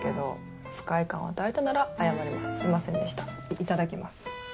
いただきます。